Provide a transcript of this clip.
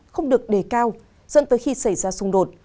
không được đề cao dẫn tới khi xảy ra xung đột